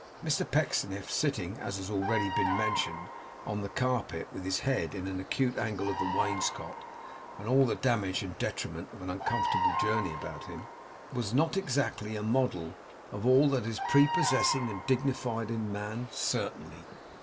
Mr Pecksniff sitting, as has been already mentioned, on the carpet, with his head in an acute angle of the wainscot, and all the damage and detriment of an uncomfortable journey about him, was not exactly a model of all that is prepossessing and dignified in man, certainly.